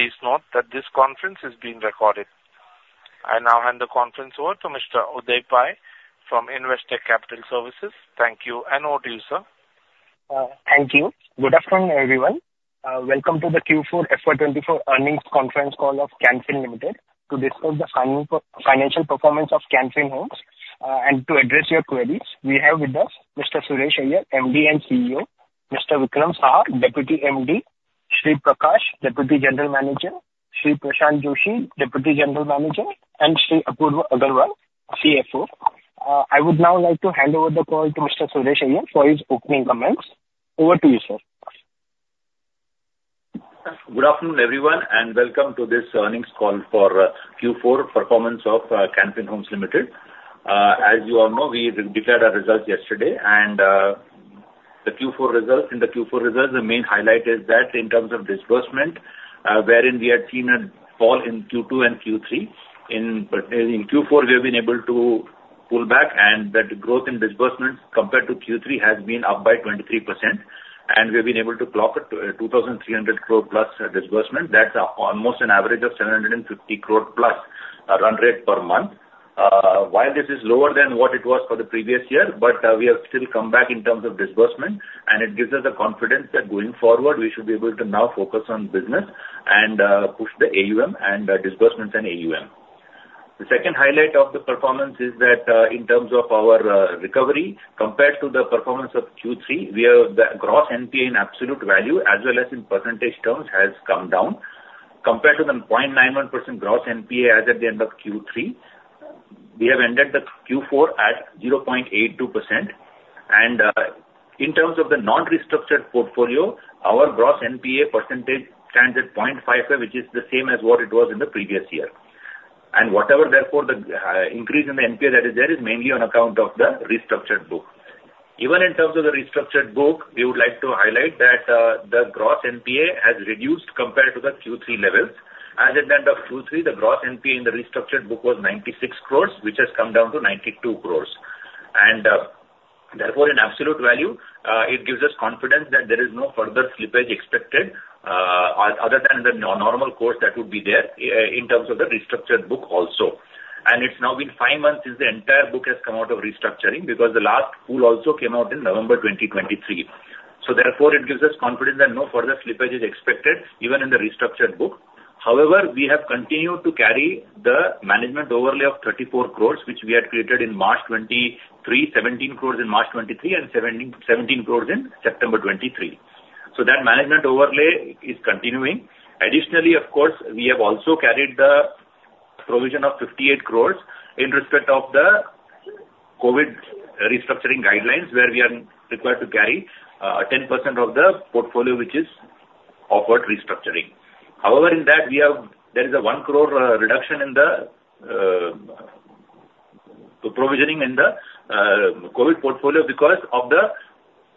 Please note that this conference is being recorded. I now hand the conference over to Mr. Uday Pai from Investec Capital Services. Thank you, and over to you, sir. Thank you. Good afternoon, everyone. Welcome to the Q4 FY 2024 earnings conference call of Can Fin Homes Limited. To discuss the financial performance of Can Fin Homes, and to address your queries, we have with us Mr. Suresh Iyer, MD and CEO; Mr. Vikram Saha, Deputy MD; Shri Prakash, Deputy General Manager; Shri Prashanth Joishy, Deputy General Manager; and Shri Apurav Agarwal, CFO. I would now like to hand over the call to Mr. Suresh Iyer for his opening comments. Over to you, sir. Good afternoon, everyone, and welcome to this earnings call for Q4 performance of Can Fin Homes Limited. As you all know, we declared our results yesterday, and the Q4 results. In the Q4 results, the main highlight is that in terms of disbursement, wherein we had seen a fall in Q2 and Q3, in Q4, we have been able to pull back, and that growth in disbursement compared to Q3 has been up by 23%, and we've been able to it, 2,300 crore plus disbursement. That's almost an average of 750 crore plus run rate per month. While this is lower than what it was for the previous year, but, we have still come back in terms of disbursement, and it gives us the confidence that going forward, we should be able to now focus on business and, push the AUM and, disbursements and AUM. The second highlight of the performance is that, in terms of our recovery, compared to the performance of Q3, we are, the gross NPA in absolute value, as well as in percentage terms, has come down. Compared to the 0.91% gross NPA as at the end of Q3, we have ended the Q4 at 0.82%. And, in terms of the non-restructured portfolio, our gross NPA percentage stands at 0.55%, which is the same as what it was in the previous year. Whatever, therefore, the increase in the NPA that is there is mainly on account of the restructured book. Even in terms of the restructured book, we would like to highlight that the gross NPA has reduced compared to the Q3 levels. As at the end of Q3, the gross NPA in the restructured book was 96 crores, which has come down to 92 crore. And therefore, in absolute value, it gives us confidence that there is no further slippage expected, other than the normal course that would be there, in terms of the restructured book also. And it's now been five months since the entire book has come out of restructuring, because the last pool also came out in November 2023. So therefore, it gives us confidence that no further slippage is expected, even in the restructured book. However, we have continued to carry the management overlay of 34 crore, which we had created in March 2023, 17 crore in March 2023, and seventeen crores in September 2023. So that management overlay is continuing. Additionally, of course, we have also carried the provision of 58 crore in respect of the COVID restructuring guidelines, where we are required to carry 10% of the portfolio, which is offered restructuring. However, in that, we have there is a 1 crore reduction in the provisioning in the COVID portfolio because of the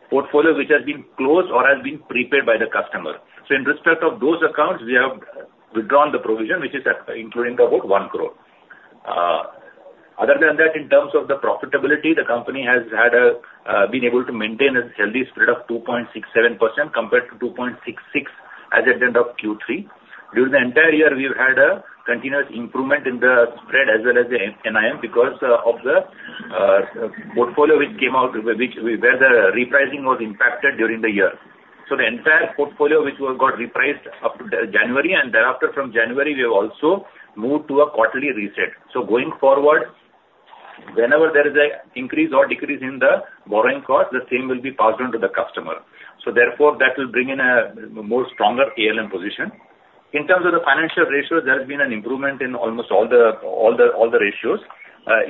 portfolio which has been closed or has been prepaid by the customer. So in respect of those accounts, we have withdrawn the provision, which is at, including about 1 crore. Other than that, in terms of the profitability, the company has had a been able to maintain a healthy spread of 2.67% compared to 2.66% as at the end of Q3. During the entire year, we've had a continuous improvement in the spread as well as the NIM because of the portfolio which came out, where the repricing was impacted during the year. So the entire portfolio, which was got repriced up to January, and thereafter from January, we have also moved to a quarterly reset. So going forward, whenever there is a increase or decrease in the borrowing cost, the same will be passed on to the customer. So therefore, that will bring in a more stronger ALM position. In terms of the financial ratios, there has been an improvement in almost all the ratios.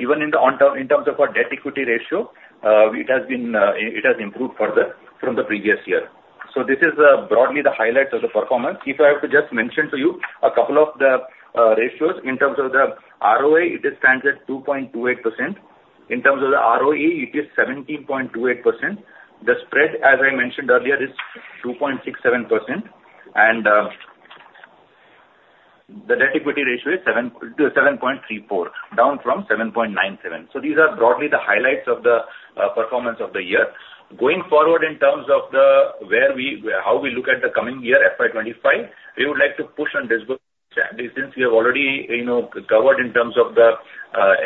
Even in the long term, in terms of our debt equity ratio, it has improved further from the previous year. So this is broadly the highlights of the performance. If I have to just mention to you a couple of the ratios, in terms of the ROA, it stands at 2.28%. In terms of the ROE, it is 17.28%. The spread, as I mentioned earlier, is 2.67%, and the debt equity ratio is 7.34%, down from 7.97%. So these are broadly the highlights of the performance of the year. Going forward, in terms of where we, how we look at the coming year, FY 2025, we would like to push on disbursement since we have already, you know, covered in terms of the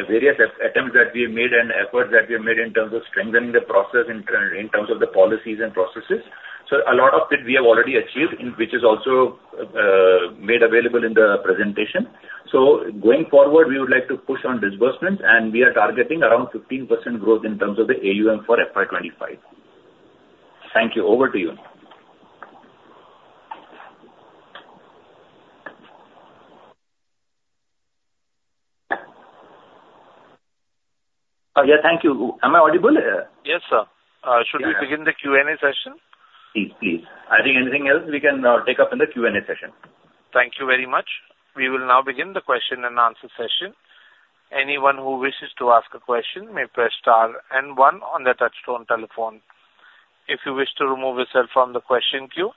various attempts that we have made and efforts that we have made in terms of strengthening the process in terms of the policies and processes. So a lot of it we have already achieved, and which is also made available in the presentation. So going forward, we would like to push on disbursement, and we are targeting around 15% growth in terms of the AUM for FY 2025. Thank you. Over to you. Yeah, thank you. Am I audible? Yes, sir. Yeah. Should we begin the Q&A session? Please, please. I think anything else we can take up in the Q&A session. Thank you very much. We will now begin the question-and-answer session. Anyone who wishes to ask a question may press star and one on their touchtone telephone. If you wish to remove yourself from the question queue,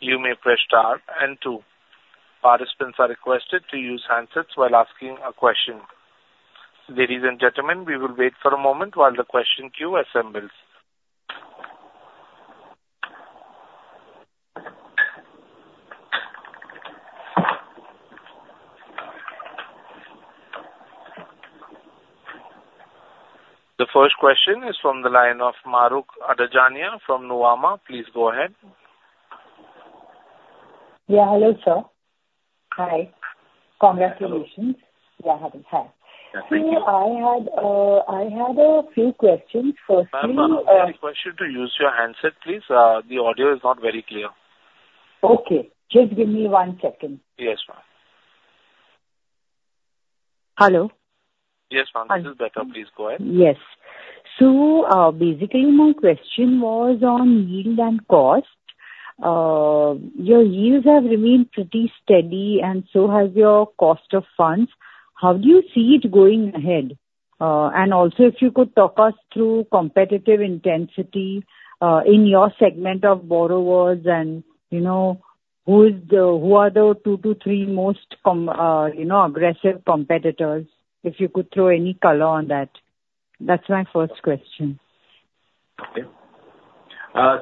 you may press star and two. Participants are requested to use handsets while asking a question. Ladies and gentlemen, we will wait for a moment while the question queue assembles.... The first question is from the line of Mahrukh Adajania from Nuvama. Please go ahead. Yeah, hello, sir. Hi. Congratulations! Hello. Yeah. Hi. Thank you. So I had a few questions. Firstly, Ma'am, may I request you to use your handset, please? The audio is not very clear. Okay, just give me one second. Yes, ma'am. Hello? Yes, ma'am, this is better. Please go ahead. Yes. So, basically, my question was on yield and cost. Your yields have remained pretty steady, and so has your cost of funds. How do you see it going ahead? And also, if you could talk us through competitive intensity, in your segment of borrowers and, you know, who are the two to three most aggressive competitors? If you could throw any color on that. That's my first question. Okay.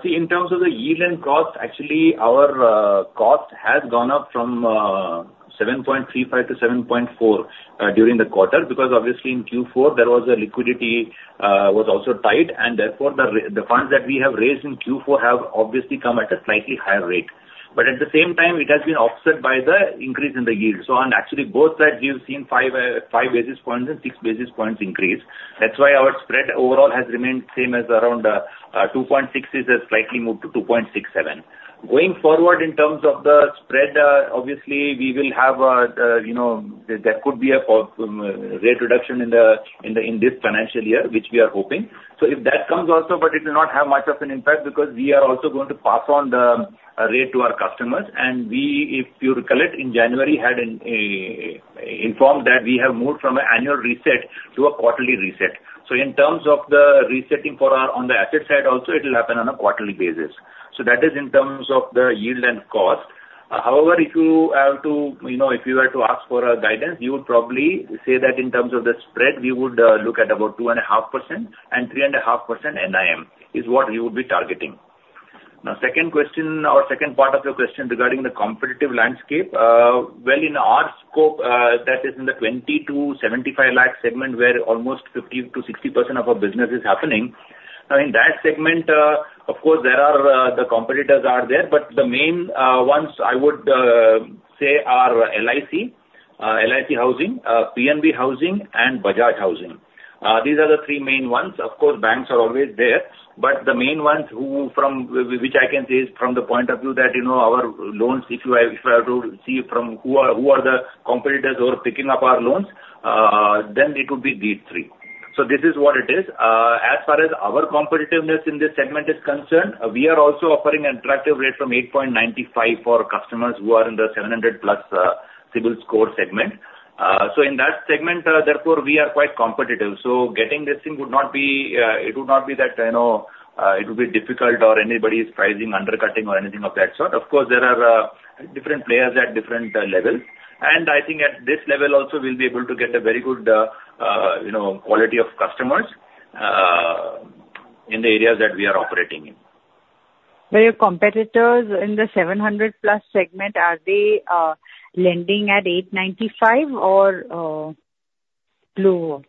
See, in terms of the yield and cost, actually, our cost has gone up from 7.35-7.4 during the quarter, because obviously in Q4, there was a liquidity was also tight, and therefore, the funds that we have raised in Q4 have obviously come at a slightly higher rate. But at the same time, it has been offset by the increase in the yield. So on actually both sides, we have seen five five basis points and 6 basis points increase. That's why our spread overall has remained same as around 2.6%, it has slightly moved to 2.67%. Going forward, in terms of the spread, obviously, we will have, you know, there could be a cost rate reduction in this financial year, which we are hoping. So if that comes also, but it will not have much of an impact because we are also going to pass on the rate to our customers. And we, if you recall it, in January, had informed that we have moved from an annual reset to a quarterly reset. So in terms of the resetting for our, on the asset side also, it will happen on a quarterly basis. So that is in terms of the yield and cost. However, if you are to, you know, if you were to ask for a guidance, we would probably say that in terms of the spread, we would look at about 2.5% and 3.5% NIM, is what we would be targeting. Now, second question or second part of your question regarding the competitive landscape. Well, in our scope, that is in the 20 lakh-75 lakh segment, where almost 50%-60% of our business is happening. Now, in that segment, of course, there are the competitors are there, but the main ones I would say are LIC, LIC Housing, PNB Housing and Bajaj Housing. These are the three main ones. Of course, banks are always there, but the main ones who, from which I can say is from the point of view that, you know, our loans, if you have, if I have to see from who are, who are the competitors who are picking up our loans, then it would be these three. So this is what it is. As far as our competitiveness in this segment is concerned, we are also offering an attractive rate from 8.95 for customers who are in the 700+, CIBIL score segment. So in that segment, therefore, we are quite competitive. So getting this thing would not be, it would not be that, you know, it would be difficult or anybody's pricing undercutting or anything of that sort. Of course, there are, different players at different, levels, and I think at this level also we'll be able to get a very good, you know, quality of customers, in the areas that we are operating in. But your competitors in the 700+ segment, are they lending at 8.95 or lower?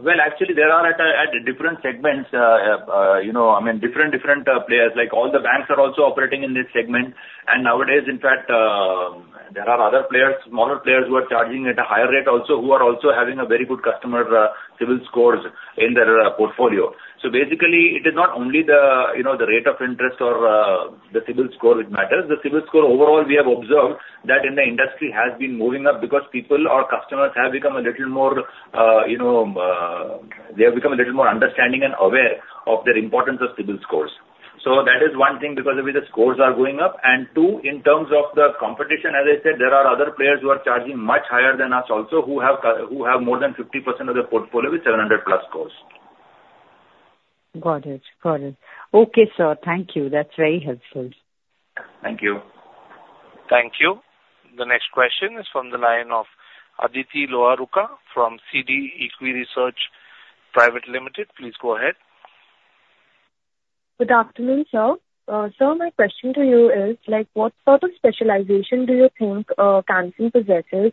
Well, actually, there are at, at different segments, you know, I mean, different, different, players, like all the banks are also operating in this segment. And nowadays, in fact, there are other players, smaller players, who are charging at a higher rate also, who are also having a very good customer, CIBIL scores in their, portfolio. So basically, it is not only the, you know, the rate of interest or, the CIBIL score it matters. The CIBIL score overall, we have observed that in the industry has been moving up because people or customers have become a little more, you know, They have become a little more understanding and aware of the importance of CIBIL scores. So that is one thing, because of it, the scores are going up. And two, in terms of the competition, as I said, there are other players who are charging much higher than us also, who have more than 50% of their portfolio with 700+ scores. Got it. Got it. Okay, sir, thank you. That's very helpful. Thank you. Thank you. The next question is from the line of Aditi Loharuka from CD Equisearch Private Limited. Please go ahead. Good afternoon, sir. Sir, my question to you is, like, what sort of specialization do you think housing possesses,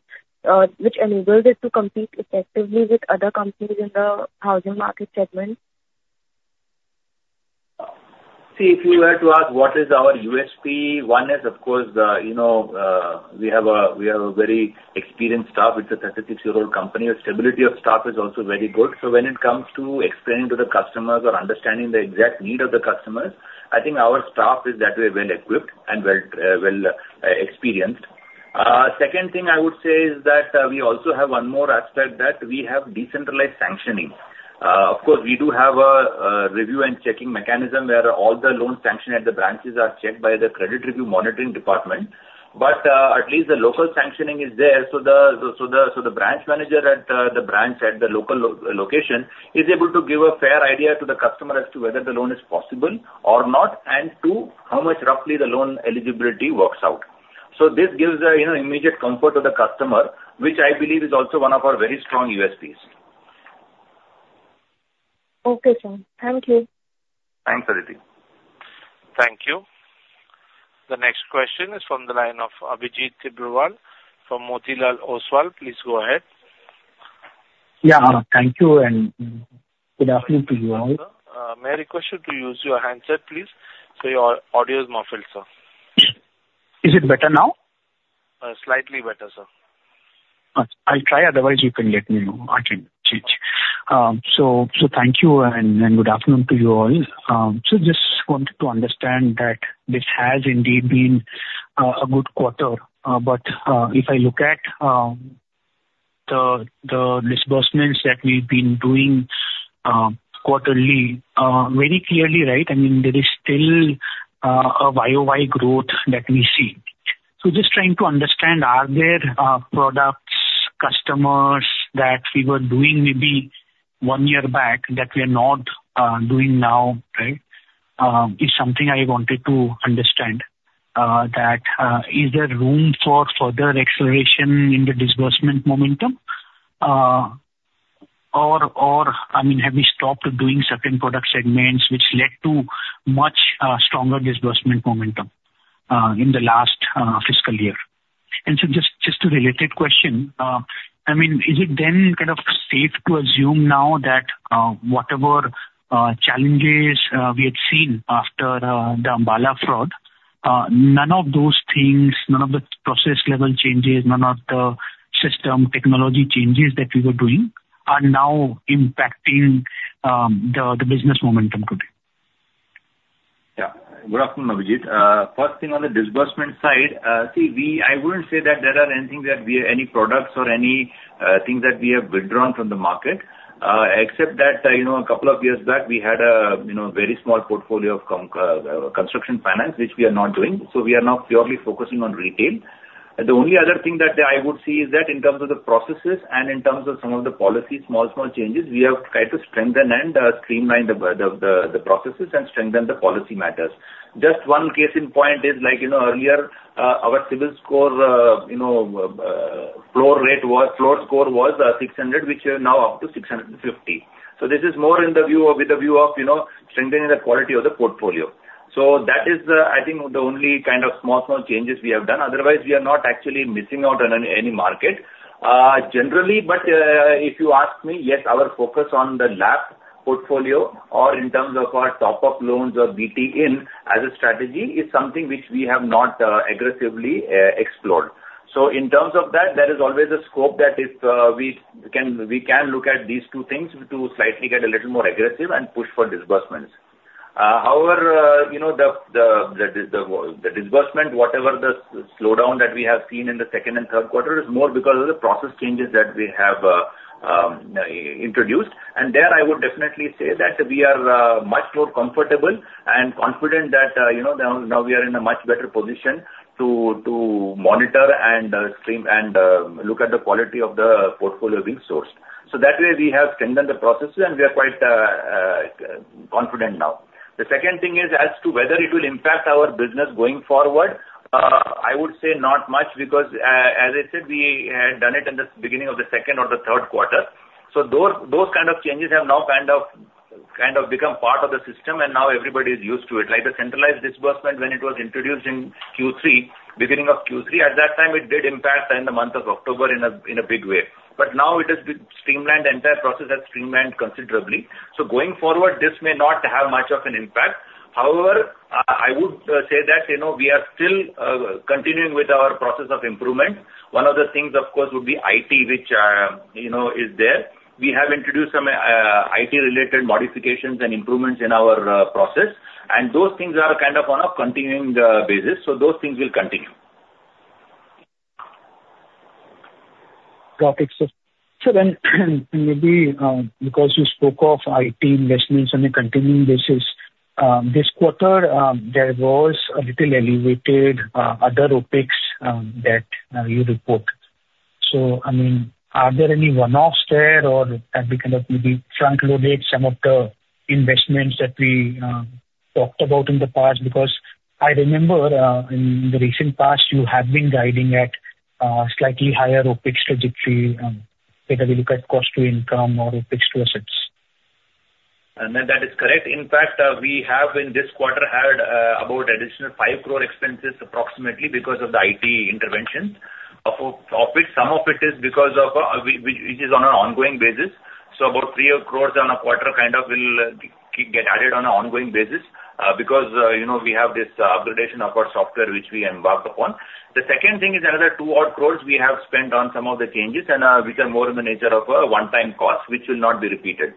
which enables it to compete effectively with other companies in the housing market segment? See, if you were to ask what is our USP, one is, of course, you know, we have a very experienced staff. It's a 33-year-old company. Our stability of staff is also very good. So when it comes to explaining to the customers or understanding the exact need of the customers, I think our staff is that way well-equipped and well, experienced. Second thing I would say is that, we also have one more aspect, that we have decentralized sanctioning. Of course, we do have a review and checking mechanism where all the loans sanctioned at the branches are checked by the credit review monitoring department, but, at least the local sanctioning is there. So the branch manager at the branch at the local location is able to give a fair idea to the customer as to whether the loan is possible or not, and two, how much roughly the loan eligibility works out. So this gives a, you know, immediate comfort to the customer, which I believe is also one of our very strong USPs. ... Okay, sir. Thank you. Thanks, Aditi. Thank you. The next question is from the line of Abhijit Tibrewal from Motilal Oswal. Please go ahead. Yeah, thank you, and good afternoon to you all. May I request you to use your handset, please? So your audio is muffled, sir. Is it better now? Slightly better, sir. I'll try, otherwise you can let me know. I can change. So, so thank you and good afternoon to you all. So just wanted to understand that this has indeed been a good quarter, but if I look at the disbursements that we've been doing quarterly, very clearly, right, I mean, there is still a YOY growth that we see. So just trying to understand, are there products, customers, that we were doing maybe one year back that we are not doing now, right? Is something I wanted to understand, that is there room for further acceleration in the disbursement momentum? Or, I mean, have we stopped doing certain product segments which led to much stronger disbursement momentum in the last fiscal year? Just, just a related question. I mean, is it then kind of safe to assume now that whatever challenges we had seen after the Ambala fraud, none of those things, none of the process-level changes, none of the system technology changes that we were doing are now impacting the business momentum today? Yeah. Good afternoon, Abhijit. First thing on the disbursement side, see, I wouldn't say that there are anything that we are, any products or any things that we have withdrawn from the market, except that, you know, a couple of years back, we had a very small portfolio of construction finance, which we are not doing. So we are now purely focusing on retail. The only other thing that I would say is that in terms of the processes and in terms of some of the policy, small, small changes, we have tried to strengthen and streamline the processes and strengthen the policy matters. Just one case in point is like, you know, earlier, our CIBIL score, you know, floor rate was, floor score was, 600, which is now up to 650. So this is more in the view of, with the view of, you know, strengthening the quality of the portfolio. So that is the, I think, the only kind of small, small changes we have done. Otherwise, we are not actually missing out on any, any market. Generally, but, if you ask me, yes, our focus on the LAP portfolio or in terms of our top-up loans or BT in as a strategy is something which we have not, aggressively, explored. So in terms of that, there is always a scope that if we can look at these two things to slightly get a little more aggressive and push for disbursements. However, you know, the disbursement, whatever the slowdown that we have seen in the second and third quarter is more because of the process changes that we have introduced. And there, I would definitely say that we are much more comfortable and confident that you know, now we are in a much better position to monitor and stream and look at the quality of the portfolio being sourced. So that way, we have strengthened the processes, and we are quite confident now. The second thing is as to whether it will impact our business going forward. I would say not much, because as I said, we had done it in the beginning of the second or the third quarter. So those kind of changes have now kind of become part of the system, and now everybody is used to it. Like the centralized disbursement when it was introduced in Q3, beginning of Q3, at that time, it did impact in the month of October in a big way. But now it has been streamlined, the entire process has streamlined considerably. So going forward, this may not have much of an impact. However, I would say that, you know, we are still continuing with our process of improvement. One of the things, of course, would be IT, which, you know, is there. We have introduced some IT-related modifications and improvements in our process, and those things are kind of on a continuing basis, so those things will continue. Got it, sir. So then, maybe, because you spoke of IT investments on a continuing basis, this quarter, there was a little elevated, other topics, that, you report. So, I mean, are there any one-offs there, or have we kind of maybe front-loaded some of the investments that we, talked about in the past? Because I remember, in the recent past, you have been guiding at, slightly higher OpEx trajectory, whether we look at cost to income or OpEx to assets. That is correct. In fact, we have in this quarter had about additional 5 crore expenses approximately because of the IT interventions, of which some of it is because of which is on an ongoing basis. So about 3 crore on a quarter kind of will keep get added on an ongoing basis because you know we have this upgradation of our software, which we embarked upon. The second thing is another 2-odd crore we have spent on some of the changes and which are more in the nature of a one-time cost, which will not be repeated.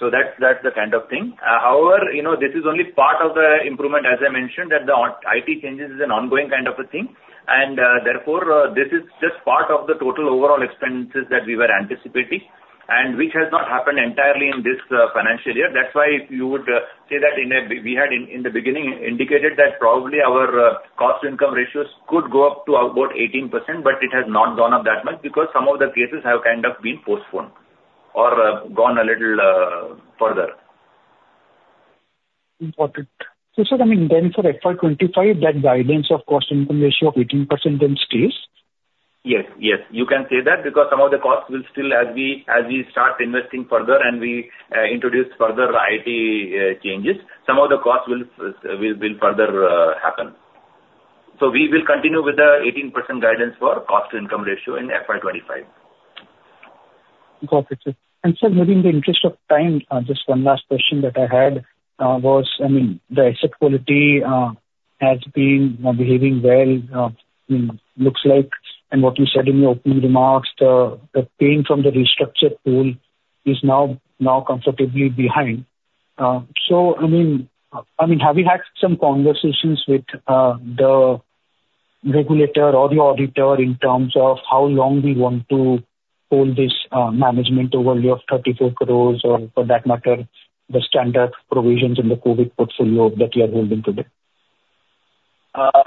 So that's the kind of thing. However, you know, this is only part of the improvement, as I mentioned, that the IT changes is an ongoing kind of a thing, and, therefore, this is just part of the total overall expenses that we were anticipating and which has not happened entirely in this financial year. That's why if you would say that, we had in the beginning indicated that probably our cost-to-income ratios could go up to about 18%, but it has not gone up that much because some of the cases have kind of been postponed or gone a little further.... Got it. So, sir, I mean, then for FY 2025, that guidance of cost-income ratio of 18% then stays? Yes, yes, you can say that because some of the costs will still, as we start investing further and we introduce further IT changes, some of the costs will further happen. So we will continue with the 18% guidance for cost-income ratio in FY 2025. Got it, sir. And sir, maybe in the interest of time, just one last question that I had, was, I mean, the asset quality has been behaving well, looks like, and what you said in your opening remarks, the pain from the restructured pool is now comfortably behind. So I mean, have you had some conversations with the regulator or the auditor in terms of how long we want to hold this management overlay of 34 crore, or for that matter, the standard provisions in the COVID portfolio that you are holding today?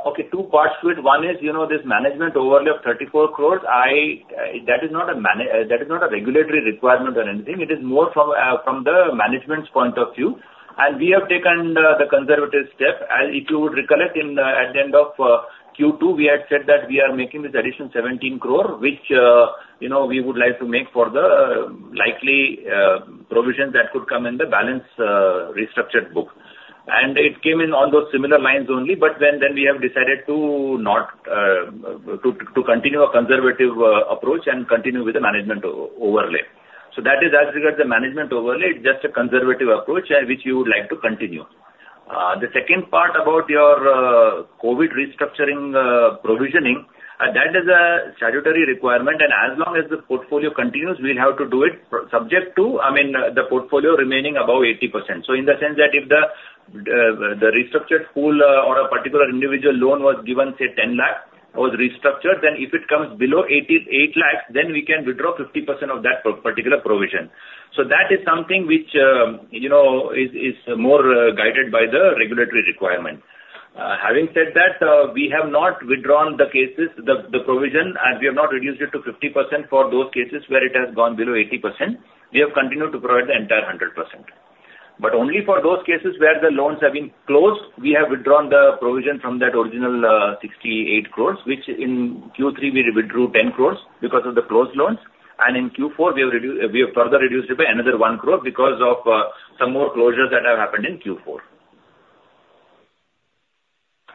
Okay, two parts to it. One is, you know, this management overlay of 34 crore, I, that is not a regulatory requirement or anything. It is more from, from the management's point of view, and we have taken the conservative step. And if you would recollect, in, at the end of Q2, we had said that we are making this additional 17 crore, which, you know, we would like to make for the likely provisions that could come in the balance restructured book. And it came in on those similar lines only, but then, then we have decided to not, to, to continue a conservative approach and continue with the management overlay. So that is, as regards the management overlay, it's just a conservative approach, which we would like to continue. The second part about your COVID restructuring, provisioning, that is a statutory requirement, and as long as the portfolio continues, we'll have to do it, subject to, I mean, the portfolio remaining above 80%. So in the sense that if the restructured pool, or a particular individual loan was given, say, 10 lakh, was restructured, then if it comes below 88 lakh, then we can withdraw 50% of that particular provision. So that is something which, you know, is more guided by the regulatory requirement. Having said that, we have not withdrawn the provision, and we have not reduced it to 50% for those cases where it has gone below 80%. We have continued to provide the entire 100%. But only for those cases where the loans have been closed, we have withdrawn the provision from that original, 68 crore, which in Q3, we withdrew 10 crore because of the closed loans, and in Q4, we have further reduced it by another 1 crore because of, some more closures that have happened in Q4.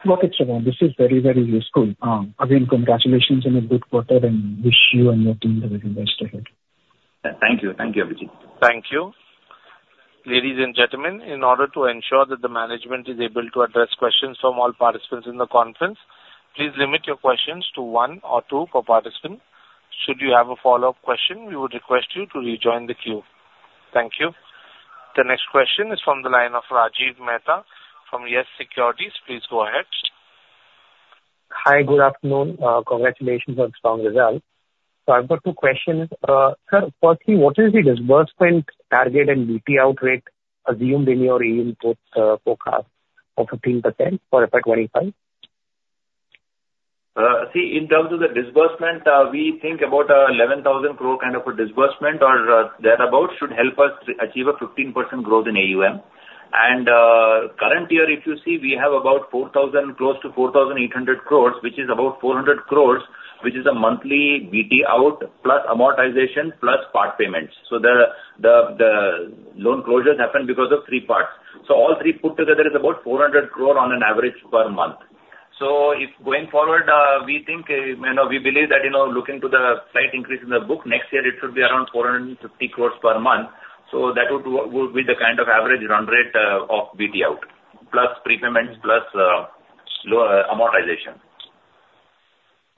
Okay, Suresh. This is very, very useful. Again, congratulations on a good quarter, and wish you and your team the very best ahead. Thank you. Thank you, Abhijit. Thank you. Ladies and gentlemen, in order to ensure that the management is able to address questions from all participants in the conference, please limit your questions to one or two per participant. Should you have a follow-up question, we would request you to rejoin the queue. Thank you. The next question is from the line of Rajiv Mehta from YES Securities. Please go ahead. Hi, good afternoon. Congratulations on strong results. So I've got two questions. Sir, firstly, what is the disbursement target and BT out rate assumed in your AUM inputs, forecast of 15% for FY 2025? See, in terms of the disbursement, we think about 11,000 crore kind of a disbursement or thereabout should help us achieve a 15% growth in AUM. Current year, if you see, we have about 4,000, crore-INR 4,800 crore, which is about 400 crore, which is a monthly BT out, plus amortization, plus part payments. So the loan closures happen because of three parts. So all three put together is about 400 crore on an average per month. So if going forward, we think, you know, we believe that, you know, looking to the slight increase in the book, next year it should be around 450 crore per month. So that would be the kind of average run rate of BT out, plus prepayments, plus lower amortization.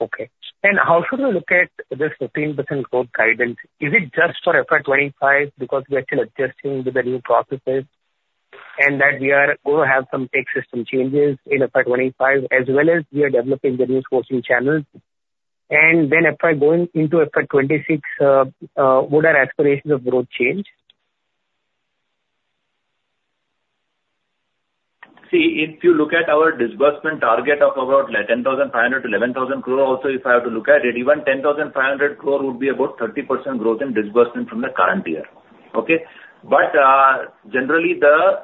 Okay. And how should we look at this 15% growth guidance? Is it just for FY 2025 because we are still adjusting to the new processes, and that we are going to have some tech system changes in FY 2025, as well as we are developing the new sourcing channels? And then FY going into FY 2026, would our aspirations of growth change? See, if you look at our disbursement target of about 10,500 crore-11,000 crore, also, if I have to look at it, even 10,500 crore would be about 30% growth in disbursement from the current year. Okay? But, generally, the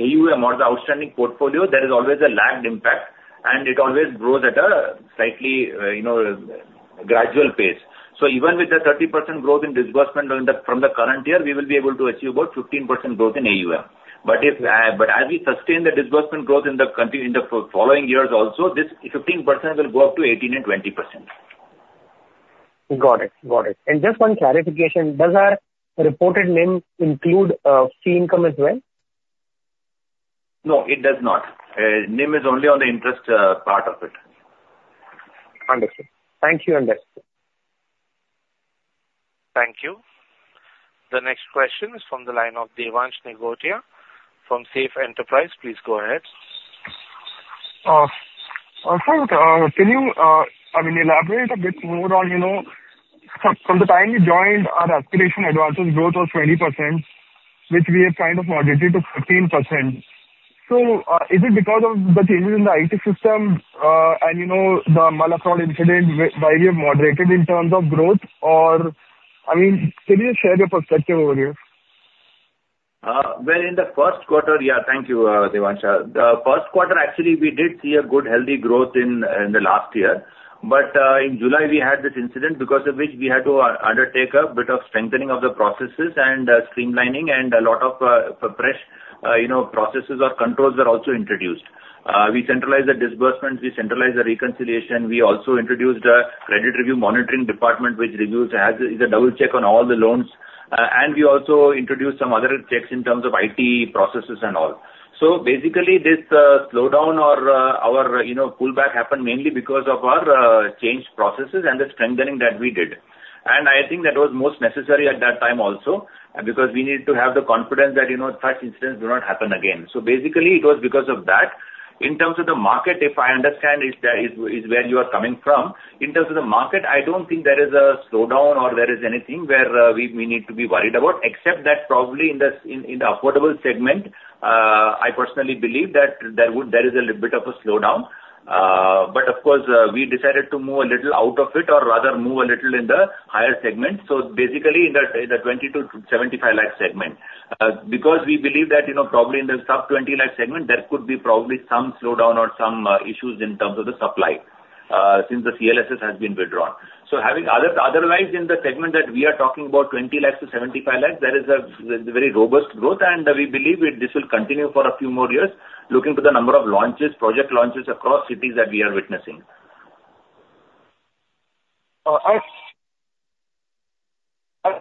AUM or the outstanding portfolio, there is always a lagged impact, and it always grows at a slightly, you know, gradual pace. So even with the 30% growth in disbursement from the current year, we will be able to achieve about 15% growth in AUM. But if, but as we sustain the disbursement growth in the country in the following years also, this 15% will go up to 18% and 20%. Got it. Got it. And just one clarification, does our reported NIM include fee income as well? No, it does not. NIM is only on the interest part of it. Understood. Thank you, understood. Thank you. The next question is from the line of Devansh Nigotia from Safe Enterprises. Please go ahead. Sir, can you, I mean, elaborate a bit more on, you know, from the time you joined, our aspiration advances growth was 20%, which we have kind of moderated to 15%.... So, is it because of the changes in the IT system, and, you know, the malafide incident why we have moderated in terms of growth? Or, I mean, can you share your perspective over here? Well, in the first quarter, yeah, thank you, Devansh. The first quarter, actually, we did see a good, healthy growth in the last year. But, in July, we had this incident because of which we had to undertake a bit of strengthening of the processes and streamlining, and a lot of fresh, you know, processes or controls were also introduced. We centralized the disbursements, we centralized the reconciliation, we also introduced a credit review monitoring department, which reviews, as a, is a double check on all the loans. And we also introduced some other checks in terms of IT processes and all. So basically, this slowdown or our, you know, pullback happened mainly because of our changed processes and the strengthening that we did. I think that was most necessary at that time also, because we needed to have the confidence that, you know, such incidents do not happen again. So basically, it was because of that. In terms of the market, if I understand, is where you are coming from. In terms of the market, I don't think there is a slowdown or there is anything where we need to be worried about, except that probably in the affordable segment, I personally believe that there would be a little bit of a slowdown. But of course, we decided to move a little out of it or rather move a little in the higher segment, so basically in the 20 lakh-75 lakh segment. Because we believe that, you know, probably in the sub-INR 20 lakh segment, there could be probably some slowdown or some issues in terms of the supply, since the CLSS has been withdrawn. So having otherwise, in the segment that we are talking about, 20 lakh-75 lakh, there is a very robust growth, and we believe it, this will continue for a few more years, looking to the number of launches, project launches across cities that we are witnessing.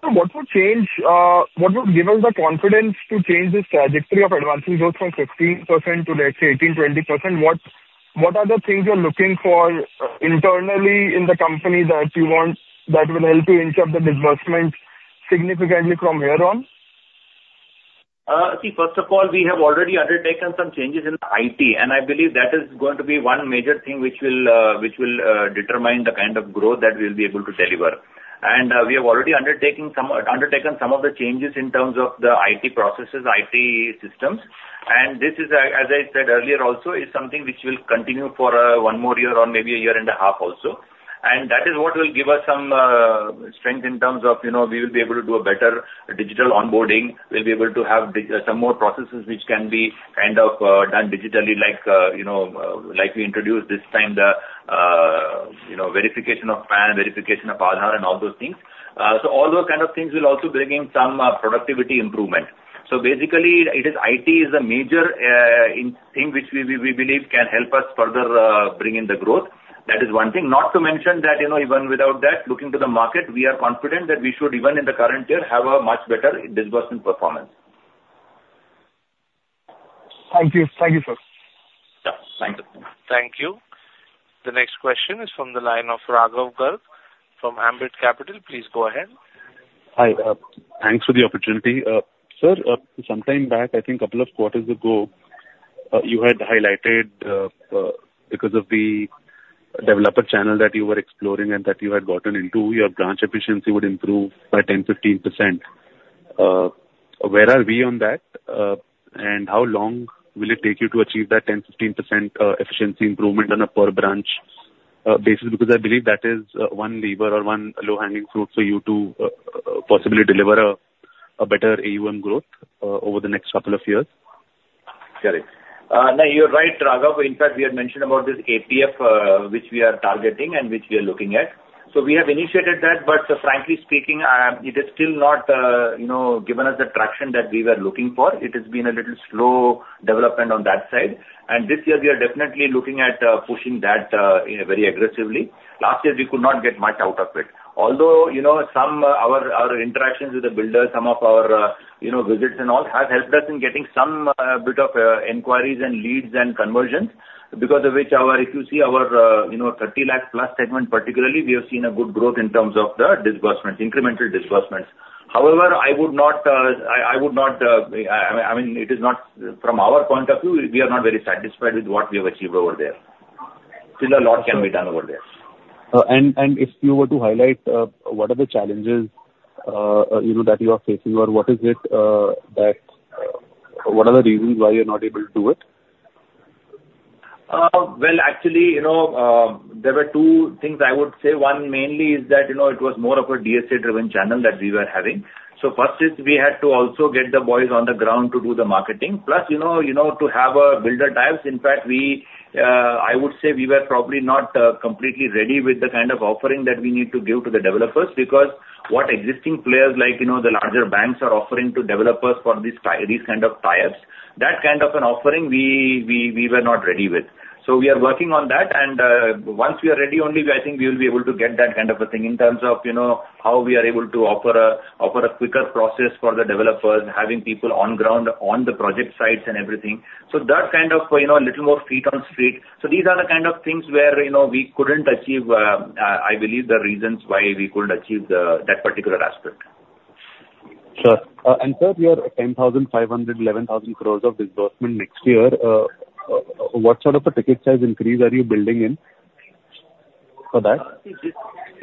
What would change, what would give us the confidence to change this trajectory of advancing growth from 16% to, let's say, 18%-20%? What, what are the things you're looking for, internally in the company that you want, that will help you inch up the disbursement significantly from here on? See, first of all, we have already undertaken some changes in the IT, and I believe that is going to be one major thing which will, which will, determine the kind of growth that we'll be able to deliver. And, we have already undertaking some... undertaken some of the changes in terms of the IT processes, IT systems. And this is, as I said earlier also, is something which will continue for, one more year or maybe a year and a half also. And that is what will give us some, strength in terms of, you know, we will be able to do a better digital onboarding. We'll be able to have some more processes which can be kind of done digitally, like, you know, like we introduced this time the verification of PAN, verification of Aadhaar and all those things. So all those kind of things will also bring in some productivity improvement. So basically, it is IT a major investment which we believe can help us further bring in the growth. That is one thing. Not to mention that, you know, even without that, looking to the market, we are confident that we should, even in the current year, have a much better disbursement performance. Thank you. Thank you, sir. Yeah, thank you. Thank you. The next question is from the line of Raghav Garg from Ambit Capital. Please go ahead. Hi. Thanks for the opportunity. Sir, sometime back, I think couple of quarters ago, you had highlighted, because of the developer channel that you were exploring and that you had gotten into, your branch efficiency would improve by 10%-15%. Where are we on that? And how long will it take you to achieve that 10%-15% efficiency improvement on a per-branch basis? Because I believe that is one lever or one low-hanging fruit for you to possibly deliver a better AUM growth over the next couple of years. Got it. No, you're right, Raghav. In fact, we had mentioned about this APF, which we are targeting and which we are looking at. So we have initiated that, but frankly speaking, it is still not, you know, given us the traction that we were looking for. It has been a little slow development on that side. And this year we are definitely looking at, pushing that, you know, very aggressively. Last year, we could not get much out of it. Although, you know, some of our interactions with the builders, some of our, you know, visits and all, have helped us in getting some bit of inquiries and leads and conversions, because of which, if you see our, you know, 30+ lakh segment particularly, we have seen a good growth in terms of the disbursements, incremental disbursements. However, I would not, I would not, I mean, it is not... From our point of view, we are not very satisfied with what we have achieved over there. Still, a lot can be done over there. If you were to highlight you know that you are facing? Or what is it that what are the reasons why you're not able to do it? Well, actually, you know, there were two things I would say. One, mainly is that, you know, it was more of a DSA-driven channel that we were having. So first is, we had to also get the boys on the ground to do the marketing. Plus, you know, you know, to have a builder ties. In fact, we, I would say we were probably not completely ready with the kind of offering that we need to give to the developers, because what existing players like, you know, the larger banks are offering to developers for these ti- these kind of ties, that kind of an offering, we, we, we were not ready with. So we are working on that, and once we are ready, only I think we will be able to get that kind of a thing in terms of, you know, how we are able to offer a, offer a quicker process for the developers, having people on ground, on the project sites and everything. So that kind of, you know, a little more feet on street. So these are the kind of things where, you know, we couldn't achieve, I believe the reasons why we couldn't achieve the, that particular aspect. Sure. And sir, your 10,500 crore-11,000 crore of disbursement next year, what sort of a ticket size increase are you building in?...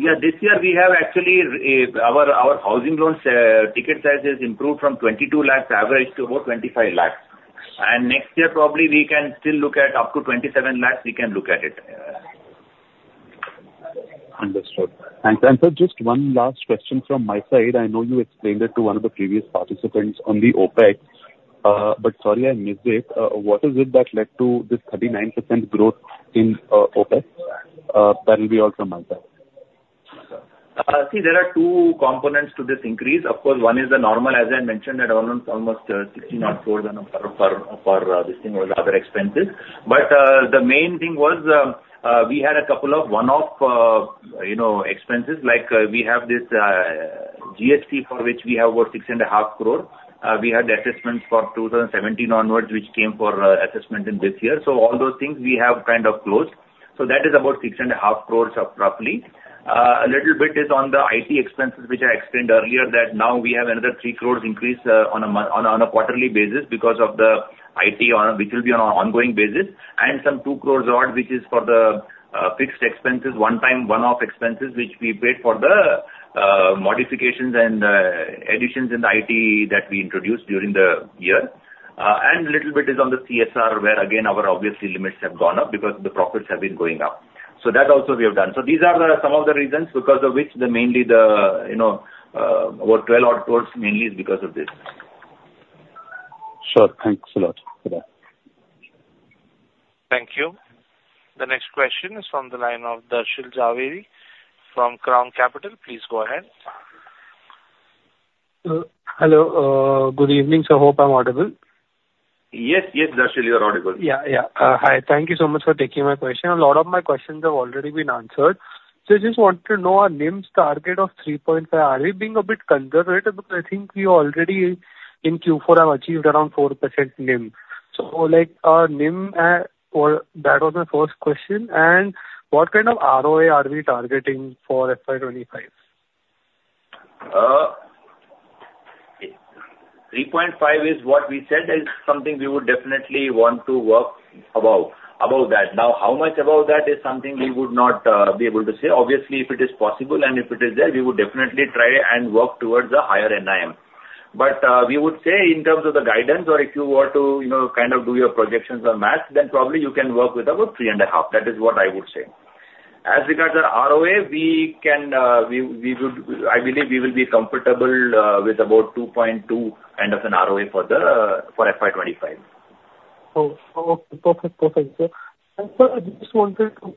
Yeah, this year we have actually, our housing loans ticket sizes improved from 22 lakh average to about 25 lakh. And next year, probably we can still look at up to 27 lakh, we can look at it. Understood. And so just one last question from my side. I know you explained it to one of the previous participants on the OpEx, but sorry, I missed it. What is it that led to this 39% growth in OpEx? That will be all from my side. See, there are two components to this increase. Of course, one is the normal, as I mentioned, at almost, almost, 16 or more than for, for, for, this thing or the other expenses. But, the main thing was, we had a couple of one-off, you know, expenses, like, we have this, GST for which we have about 6.5 crore. We had the assessments for 2017 onwards, which came for assessment in this year. So all those things we have kind of closed. So that is about 6.5 crore roughly. A little bit is on the IT expenses, which I explained earlier, that now we have another 3 crore increase, on a month, on a, on a quarterly basis because of the IT on, which will be on an ongoing basis. And some 2 crore odd, which is for the, fixed expenses, one-time, one-off expenses, which we paid for the, modifications and, additions in the IT that we introduced during the year. And little bit is on the CSR, where, again, our obviously limits have gone up because the profits have been going up. So that also we have done. So these are the some of the reasons because of which the mainly the, you know, about 12 crore odd mainly is because of this. Sure. Thanks a lot for that. Thank you. The next question is from the line of Darshil Jhaveri from Crown Capital. Please go ahead. Hello. Good evening, sir. Hope I'm audible. Yes, yes, Darshil, you are audible. Yeah, yeah. Hi, thank you so much for taking my question. A lot of my questions have already been answered. So I just wanted to know our NIMs target of 3.5%, are we being a bit conservative? Because I think we already in Q4 have achieved around 4% NIM. So, like, NIM, or that was my first question, and what kind of ROA are we targeting for FY 2025? 3.5% is what we said is something we would definitely want to work above, above that. Now, how much above that is something we would not be able to say. Obviously, if it is possible and if it is there, we would definitely try and work towards a higher NIM. But we would say in terms of the guidance or if you were to, you know, kind of do your projections on math, then probably you can work with about 3.5%. That is what I would say. As regards our ROA, we can, we would... I believe we will be comfortable with about 2.2% end of an ROA for the for FY 2025. Oh, oh, perfect. Perfect, sir. And sir, I just wanted to,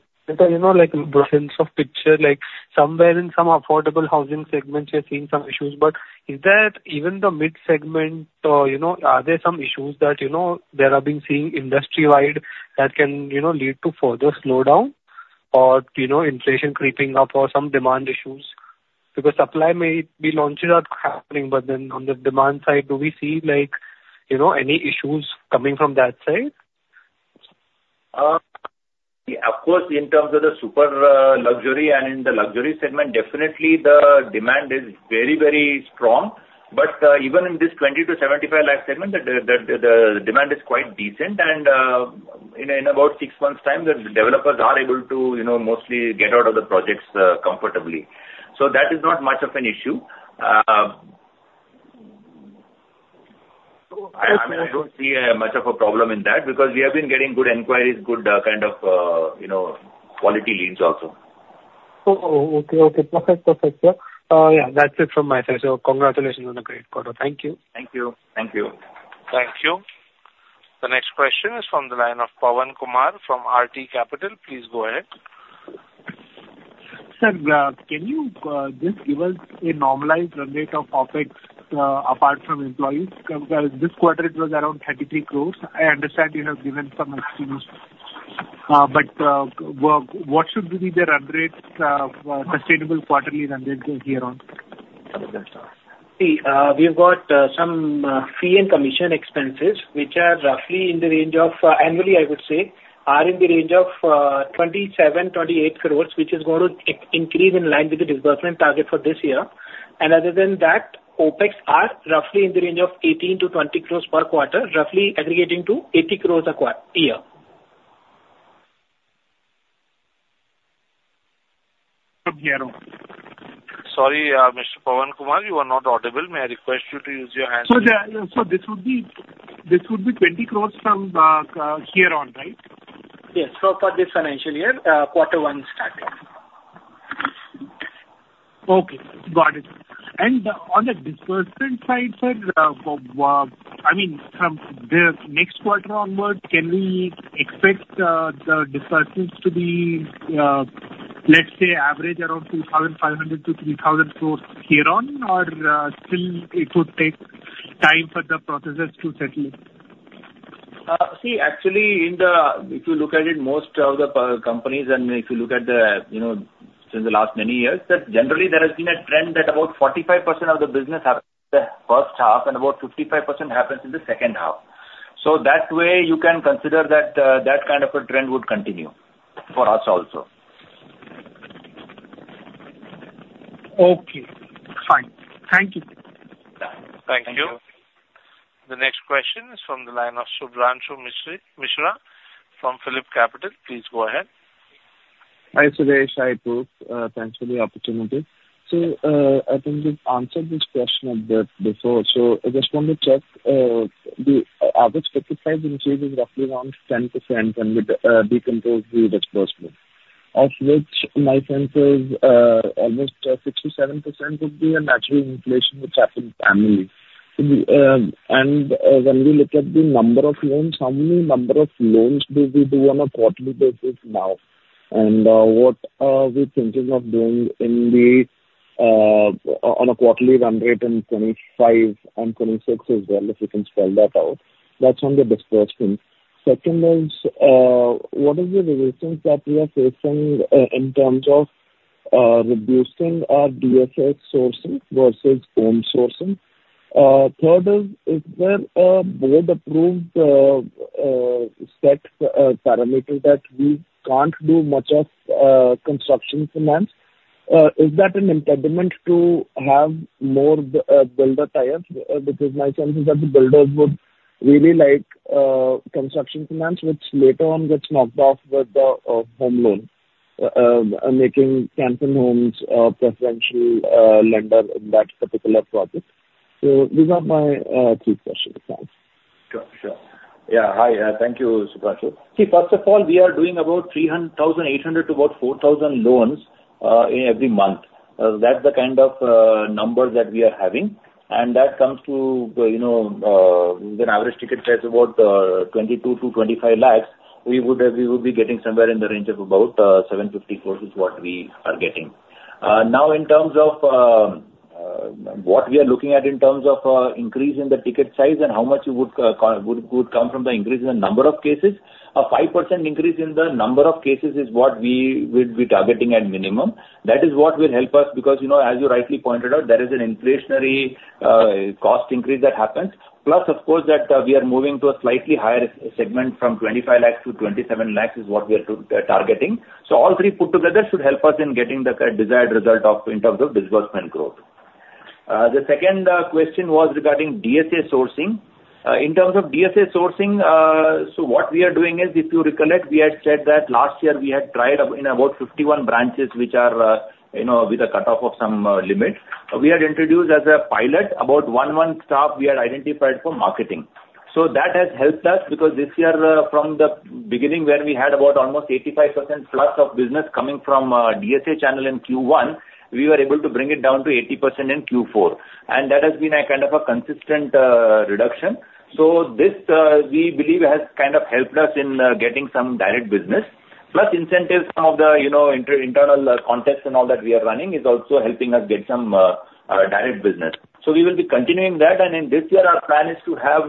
you know, like sense of picture, like somewhere in some affordable housing segments, we are seeing some issues, but is that even the mid segment? You know, are there some issues that, you know, there have been seeing industry-wide that can, you know, lead to further slowdown or, you know, inflation creeping up or some demand issues? Because supply may be launches are happening, but then on the demand side, do we see, like, you know, any issues coming from that side? Yeah, of course, in terms of the super luxury and in the luxury segment, definitely the demand is very, very strong. But even in this 20 lakh-75 lakh segment, the demand is quite decent. And in about six months' time, the developers are able to, you know, mostly get out of the projects comfortably. So that is not much of an issue. So- I mean, I don't see much of a problem in that, because we have been getting good inquiries, good kind of, you know, quality leads also. Oh, oh, okay. Okay, perfect. Perfect, sir. Yeah, that's it from my side. So congratulations on a great quarter. Thank you. Thank you. Thank you. Thank you. The next question is from the line of Pavan Kumar from RT Capital. Please go ahead. Sir, can you just give us a normalized run rate of OpEx, apart from employees? Because this quarter, it was around 33 crore. I understand you have given some estimates, but what should be the run rate, sustainable quarterly run rate from here on? See, we've got some fee and commission expenses, which are roughly in the range of, annually, I would say, are in the range of 27 crore-28 crore, which is going to increase in line with the disbursement target for this year. Other than that, OpEx are roughly in the range of 18 crore-20 crore per quarter, roughly aggregating to 80 crore a year. From here on. Sorry, Mr. Pavan Kumar, you are not audible. May I request you to use your handset? So this would be, this would be 20 crore from here on, right? Yes. So for this financial year, quarter one starting. Okay, got it. And, on the disbursement side, sir, I mean, from the next quarter onwards, can we expect the disbursements to be, let's say, average around 2,500 crore-3,000 crore here on, or still it would take time for the processes to settle? See, actually, in the... if you look at it, most of the companies and if you look at the, you know, since the last many years, that generally there has been a trend that about 45% of the business happens in the first half, and about 55% happens in the second half. So that way, you can consider that, that kind of a trend would continue for us also. ... Okay, fine. Thank you. Thank you. The next question is from the line of Shubhranshu Mishra, Mishra from Phillip Capital. Please go ahead. Hi, Suresh. Hi, group. Thanks for the opportunity. So, I think you've answered this question a bit before, so I just want to check, the average ticket size increase is roughly around 10% when we decompose the disbursement, of which my sense is, almost 67% would be a natural inflation which happens annually. So, when we look at the number of loans, how many number of loans do we do on a quarterly basis now? And, what are we thinking of doing in the, on a quarterly run rate in 2025 and 2026 as well, if you can spell that out. That's on the disbursement. Second is, what are the resistance that we are facing in terms of, reducing our DSA sourcing versus home sourcing? Third is, is there a board-approved set parameter that we can't do much of construction finance? Is that an impediment to have more builder tie-ups? Because my sense is that the builders would really like construction finance, which later on gets knocked off with the home loan, making Can Fin Homes a preferential lender in that particular project. So these are my three questions. Thanks. Sure. Sure. Yeah, hi, thank you, Shubhranshu. See, first of all, we are doing about 3,800 to about 4,000 loans in every month. That's the kind of numbers that we are having, and that comes to, you know, with an average ticket price about 22 lakh-25 lakh, we would, we would be getting somewhere in the range of about 750 crores is what we are getting. Now, in terms of what we are looking at in terms of increase in the ticket size and how much it would, would come from the increase in the number of cases, a 5% increase in the number of cases is what we would be targeting at minimum. That is what will help us, because, you know, as you rightly pointed out, there is an inflationary cost increase that happens. Plus, of course, that we are moving to a slightly higher segment from 25 lakhs -27 lakhs is what we are targeting. So all three put together should help us in getting the desired result of, in terms of disbursement growth. The second question was regarding DSA sourcing. In terms of DSA sourcing, so what we are doing is, if you recollect, we had said that last year we had tried about 51 branches, which are, you know, with a cutoff of some limit. We had introduced as a pilot, about one staff we had identified for marketing. So that has helped us, because this year, from the beginning, when we had about almost 85% plus of business coming from DSA channel in Q1, we were able to bring it down to 80% in Q4, and that has been a kind of a consistent reduction. So this, we believe, has kind of helped us in getting some direct business. Plus, incentives of the, you know, internal contests and all that we are running is also helping us get some direct business. So we will be continuing that, and in this year, our plan is to have,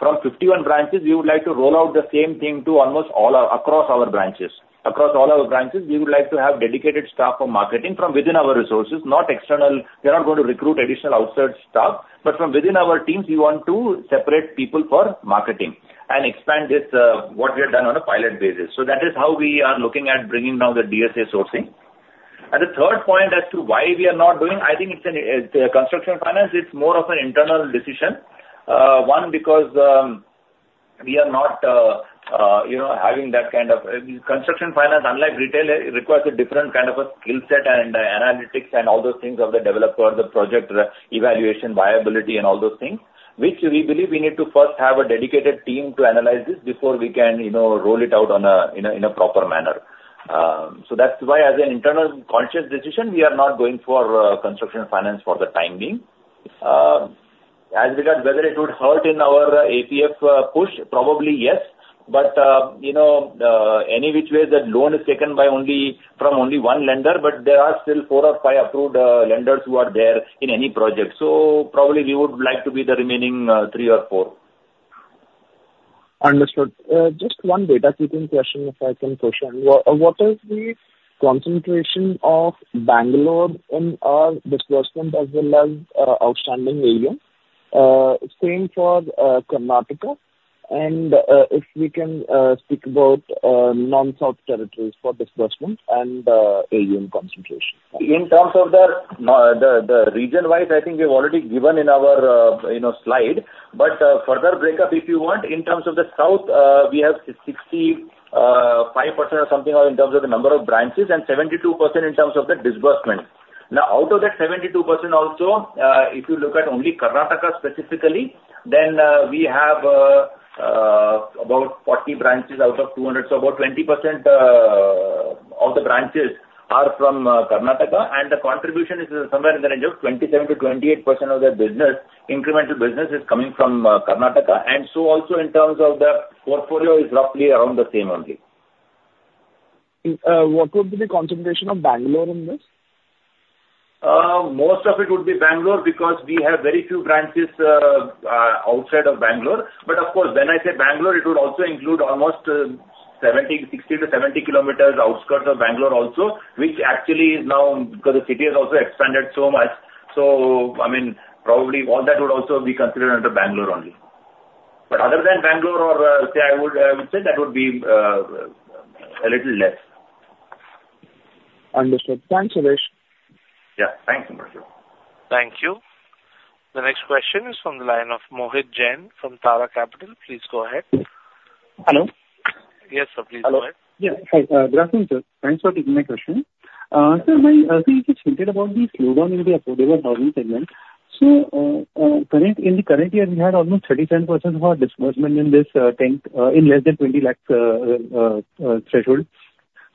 from 51 branches, we would like to roll out the same thing to almost all our, across our branches. Across all our branches, we would like to have dedicated staff for marketing from within our resources, not external. We are not going to recruit additional outside staff, but from within our teams, we want to separate people for marketing and expand this, what we have done on a pilot basis. So that is how we are looking at bringing down the DSA sourcing. And the third point as to why we are not doing, I think it's an, construction finance is more of an internal decision. One, because, we are not, you know, having that kind of... Construction finance, unlike retail, it requires a different kind of a skill set and analytics and all those things of the developer, the project, evaluation, viability, and all those things, which we believe we need to first have a dedicated team to analyze this before we can, you know, roll it out on a, in a, in a proper manner. So that's why, as an internal conscious decision, we are not going for construction finance for the time being. As regards whether it would hurt in our APF push, probably, yes. But you know, any which way, that loan is taken by only, from only one lender, but there are still four or five approved lenders who are there in any project. So probably we would like to be the remaining three or four. Understood. Just one data keeping question, if I can push on. What is the concentration of Bangalore in our disbursement as well as outstanding AUM? Same for Karnataka, and if we can speak about non-south territories for disbursement and AUM concentration. In terms of the region-wise, I think we've already given in our, you know, slide. But further breakup, if you want, in terms of the south, we have 65% or something in terms of the number of branches and 72% in terms of the disbursement. Now, out of that 72% also, if you look at only Karnataka specifically, then we have about 40 branches out of 200. So about 20% of the branches are from Karnataka, and the contribution is somewhere in the range of 27%-28% of the business, incremental business is coming from Karnataka, and so also in terms of the portfolio is roughly around the same only. What would be the concentration of Bangalore in this? Most of it would be Bangalore, because we have very few branches outside of Bangalore. But of course, when I say Bangalore, it would also include almost 60 km-70 km outskirts of Bangalore also, which actually now, because the city has also expanded so much, so, I mean, probably all that would also be considered under Bangalore only... but other than Bangalore or, say, I would say that would be a little less. Understood. Thanks, Suresh. Yeah. Thanks, Shubhranshu. Thank you. The next question is from the line of Mohit Jain from Tara Capital. Please go ahead. Hello? Yes, sir. Please go ahead. Hello. Yeah. Hi. Good afternoon, sir. Thanks for taking my question. Sir, my team just hinted about the slowdown in the affordable housing segment. So, in the current year, we had almost 37% of our disbursement in this in less than 20 lakh threshold.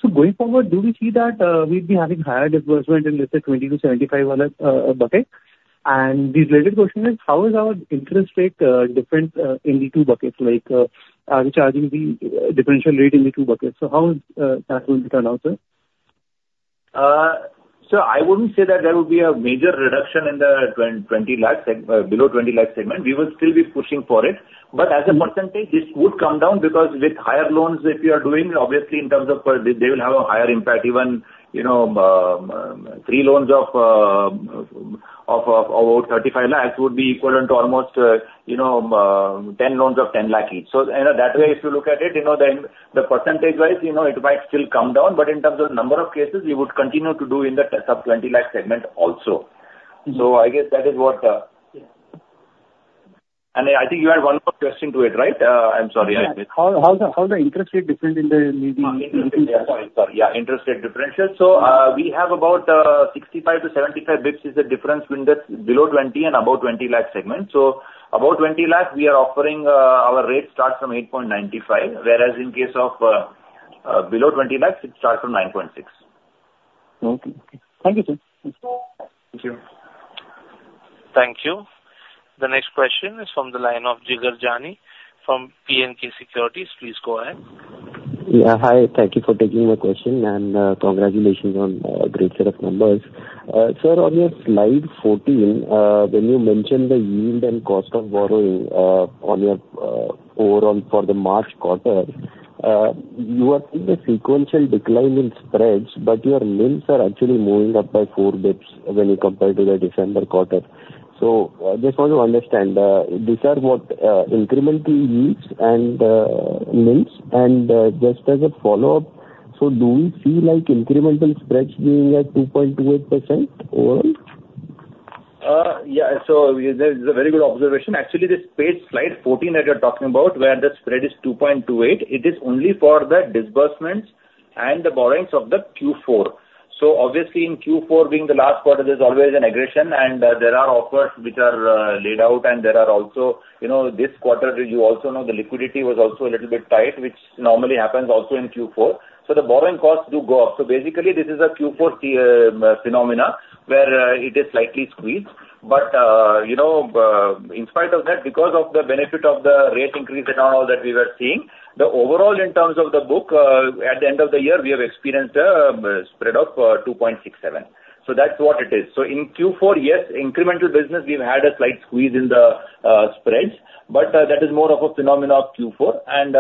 So going forward, do we see that we'd be having higher disbursement in, let's say, INR 20 lakh-INR 75 lakh bucket? And the related question is: how is our interest rate different in the two buckets, like, are we charging the differential rate in the two buckets? So how is that going to turn out, sir? So, I wouldn't say that there will be a major reduction in the 20 lakh segment, below 20 lakh segment. We will still be pushing for it. Mm-hmm. But as a percentage, this would come down because with higher loans that we are doing, obviously, in terms of They will have a higher impact, even, you know, three loans of about 35 lakh would be equivalent to almost, you know, 10 loans of 10 lakh each. So in that way, if you look at it, you know, then the percentage-wise, you know, it might still come down, but in terms of number of cases, we would continue to do in the 10, sub-INR 20 lakh segment also. Mm-hmm. So I guess that is what... Yeah. I think you had one more question to it, right? I'm sorry, I missed. Yeah. How's the interest rate different in the- Sorry, sorry. Yeah, interest rate differential. So, we have about 65-75 basis points is the difference between the below 20 lakh and above 20 lakh segment. So above 20 lakh, we are offering our rate starts from 8.95%, whereas in case of below 20 lakhs, it starts from 9.6%. Okay. Thank you, sir. Thank you. Thank you. Thank you. The next question is from the line of Jigar Jani from B&K Securities. Please go ahead. Yeah, hi. Thank you for taking my question, and, congratulations on, great set of numbers. Sir, on your slide 14, when you mention the yield and cost of borrowing, on your, overall for the March quarter, you are seeing a sequential decline in spreads, but your NIMs are actually moving up by 4 basis points when you compare to the December quarter. So, just want to understand, these are what, incremental yields and, NIMs. And, just as a follow-up, so do we see, like, incremental spreads being at 2.28% overall? Yeah. So we, that is a very good observation. Actually, this page, slide 14 that you're talking about, where the spread is 2.28%, it is only for the disbursements and the borrowings of the Q4. So obviously, in Q4 being the last quarter, there's always an aggression, and there are offers which are laid out, and there are also... You know, this quarter, did you also know the liquidity was also a little bit tight, which normally happens also in Q4? So the borrowing costs do go up. So basically, this is a Q4 phenomenon, where it is slightly squeezed. But, you know, in spite of that, because of the benefit of the rate increase and all that we were seeing, the overall in terms of the book, at the end of the year, we have experienced a spread of 2.67%. So that's what it is. So in Q4, yes, incremental business, we've had a slight squeeze in the spreads, but that is more of a phenomena of Q4. And,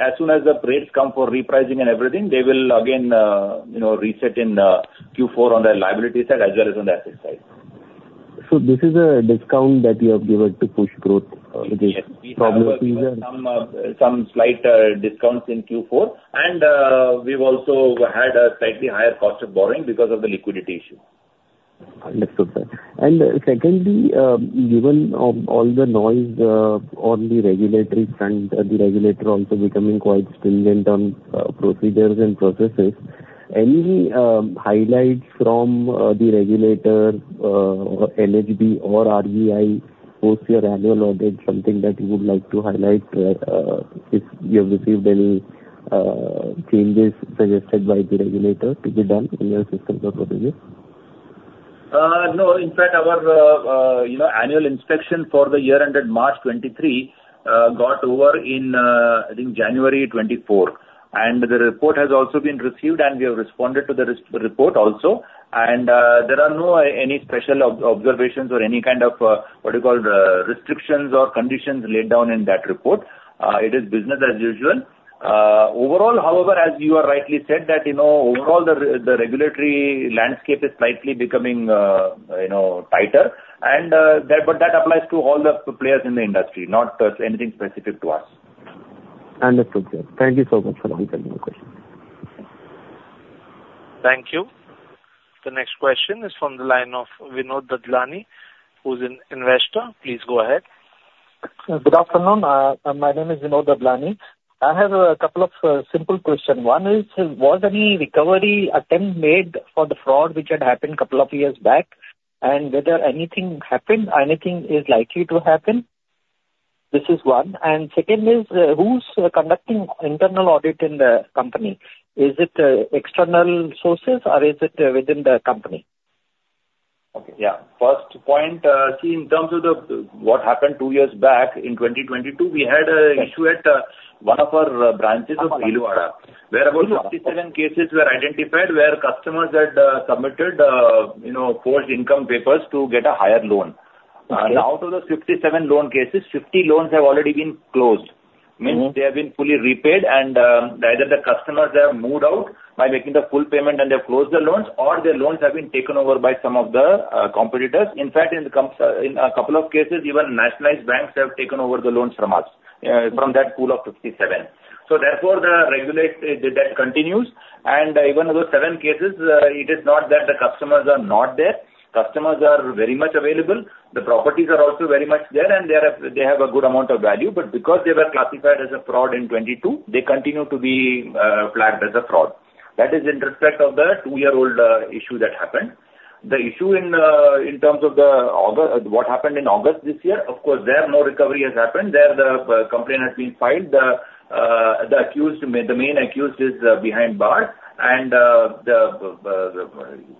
as soon as the trades come for repricing and everything, they will again, you know, reset in Q4 on the liability side as well as on the asset side. This is a discount that you have given to push growth, with this? Yes. Problems with the- Some slight discounts in Q4, and we've also had a slightly higher cost of borrowing because of the liquidity issue. Understood, sir. Secondly, given all the noise on the regulatory front, the regulator also becoming quite stringent on procedures and processes, any highlights from the regulator, NHB or RBI, post your annual audit, something that you would like to highlight, if you have received any changes suggested by the regulator to be done in your systems or processes? No. In fact, our you know annual inspection for the year ended March 2023 got over in, I think, January 2024, and the report has also been received, and we have responded to the report also. And there are no any special observations or any kind of, what you call, restrictions or conditions laid down in that report. It is business as usual. Overall, however, as you are rightly said, that, you know, overall the the regulatory landscape is slightly becoming, you know, tighter and, that, but that applies to all the players in the industry, not anything specific to us. Understood, sir. Thank you so much for answering my question. Thank you. The next question is from the line of Vinod Dadlani, who's an investor. Please go ahead. Good afternoon. My name is Vinod Dadlani. I have a couple of simple questions. One is, was any recovery attempt made for the fraud which had happened couple of years back? And whether anything happened, anything is likely to happen? This is one. Second is, who's conducting internal audit in the company? Is it external sources or is it within the company? Okay, yeah. First point, see, in terms of the, what happened two years back in 2022, we had a issue at, one of our, branches of Bhilwara, where about 67 cases were identified, where customers had, submitted, you know, forged income papers to get a higher loan. Okay. Out of the 57 loan cases, 50 loans have already been closed, means they have been fully repaid and, either the customers have moved out by making the full payment and they have closed the loans, or their loans have been taken over by some of the competitors. In fact, in a couple of cases, even nationalized banks have taken over the loans from us, from that pool of 57. So therefore, the regulatory debt continues. And even those seven cases, it is not that the customers are not there. Customers are very much available. The properties are also very much there, and they have a good amount of value, but because they were classified as a fraud in 2022, they continue to be flagged as a fraud. That is in respect of the two-year-old issue that happened. The issue in terms of the August what happened in August this year, of course, there, no recovery has happened. There, the complaint has been filed. The accused, the main accused is behind bars and,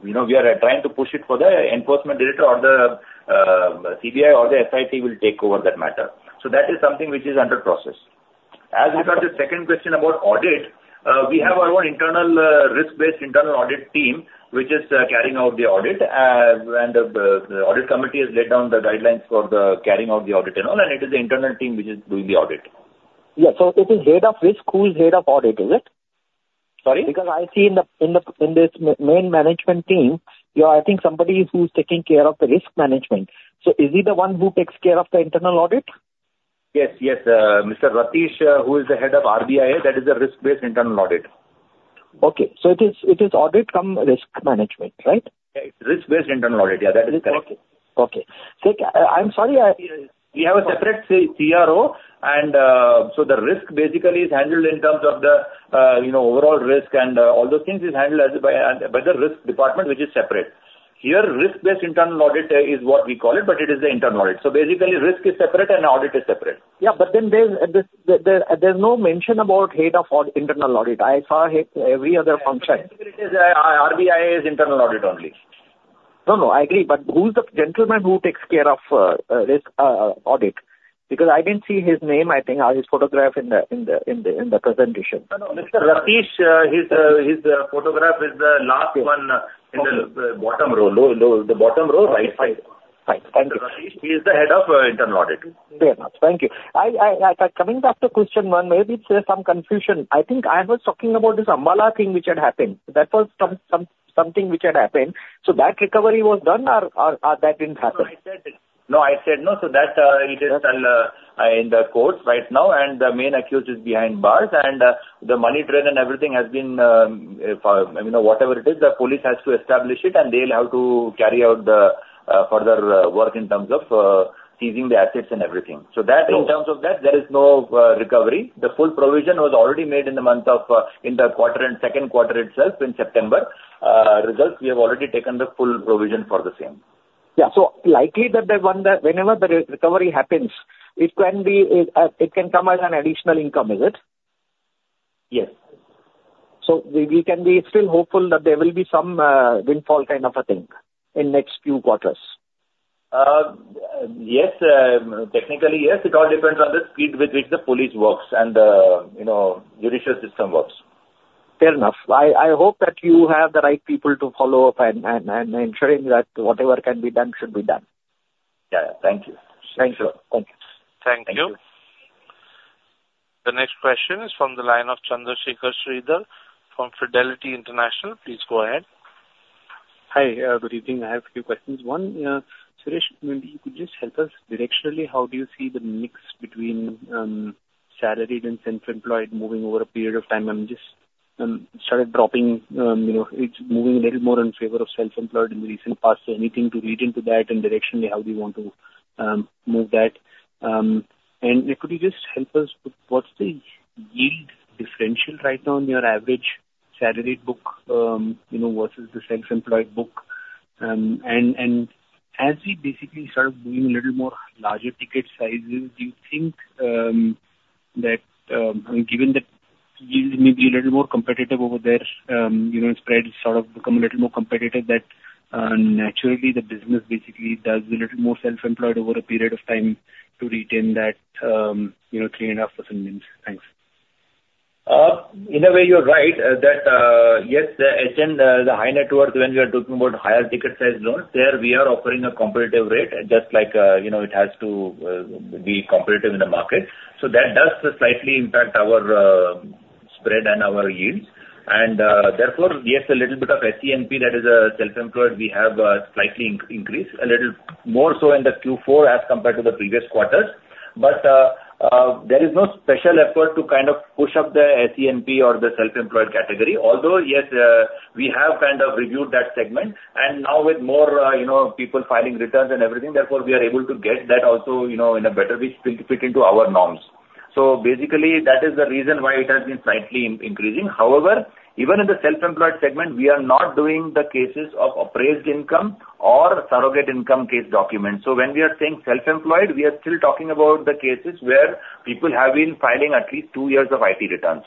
you know, we are trying to push it for the enforcement director or the CBI or the SIT will take over that matter. So that is something which is under process. As regards the second question about audit, we have our own internal risk-based internal audit team, which is carrying out the audit. And the audit committee has laid down the guidelines for carrying out the audit and all, and it is the internal team which is doing the audit. Yeah. So it is head of risk who is head of audit, is it? Sorry? Because I see in this main management team, you are, I think, somebody who's taking care of the risk management. So is he the one who takes care of the internal audit? Yes, yes. Mr. Ratish, who is the head of RBIA, that is a Risk-Based Internal Audit. Okay. So it is, it is audit cum risk management, right? Risk-Based Internal Audit, yeah, that is correct. Okay. Okay. So I'm sorry, I- We have a separate, say, CRO, and so the risk basically is handled in terms of the, you know, overall risk and all those things is handled as by, by the risk department, which is separate. Here, Risk-Based Internal Audit is what we call it, but it is the internal audit. So basically, risk is separate and audit is separate. Yeah, but then there's no mention about head of internal audit. I saw head every other function. RBIA is internal audit only. No, no, I agree, but who's the gentleman who takes care of risk audit? Because I didn't see his name, I think, or his photograph in the presentation. No, no. Mr. Ratish, his photograph is the last one- Okay. -in the bottom row. Low, low, the bottom row, right side. Fine. Thank you. He is the head of internal audit. Fair enough. Thank you. Coming back to question one, maybe there's some confusion. I think I was talking about this Ambala thing which had happened. That was something which had happened. So that recovery was done or that didn't happen? No, I said... No, I said no. So that, it is in the courts right now, and the main accused is behind bars, and the money trail and everything has been, you know, whatever it is, the police has to establish it, and they'll have to carry out the further work in terms of seizing the assets and everything. Okay. So that, in terms of that, there is no recovery. The full provision was already made in the month of, in the quarter, in second quarter itself, in September. Results, we have already taken the full provision for the same. Yeah. So likely that the one that whenever the recovery happens, it can be, it can come as an additional income, is it? Yes. So we can be still hopeful that there will be some windfall kind of a thing in next few quarters? Yes, technically, yes. It all depends on the speed with which the police works and the, you know, judicial system works. Fair enough. I hope that you have the right people to follow up and ensuring that whatever can be done, should be done. Yeah. Thank you. Thanks. Thank you. Thank you. The next question is from the line of Chandrasekhar Sridhar from Fidelity International. Please go ahead. Hi, good evening. I have a few questions. One, Suresh, maybe you could just help us directionally, how do you see the mix between, salaried and self-employed moving over a period of time? I'm just, started dropping, you know, it's moving a little more in favor of self-employed in the recent past. So anything to read into that and directionally, how we want to, move that? And could you just help us with what's the yield differential right now on your average salaried book, you know, versus the self-employed book? And as we basically start doing a little more larger ticket sizes, do you think that, given that you may be a little more competitive over there, you know, spreads sort of become a little more competitive, that naturally, the business basically does a little more self-employed over a period of time to retain that, you know, 3.5% NIMs? Thanks. In a way you're right, that yes, the HN, the high net worth, when we are talking about higher ticket size loans, there we are offering a competitive rate, just like, you know, it has to be competitive in the market. So that does slightly impact our spread and our yields. And there is no special effort to kind of push up the SENP, that is, self-employed. We have slightly increased a little more so in the Q4 as compared to the previous quarters. But there is no special effort to kind of push up the SENP or the self-employed category. Although, yes, we have kind of reviewed that segment, and now with more, you know, people filing returns and everything, therefore, we are able to get that also, you know, in a better way, fit into our norms. So basically, that is the reason why it has been slightly increasing. However, even in the self-employed segment, we are not doing the cases of appraised income or surrogate income case documents. So when we are saying self-employed, we are still talking about the cases where people have been filing at least two years of IT returns.